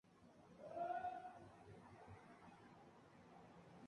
Su permanencia con O'Brien se convirtió en un tema de noticias contradictorias.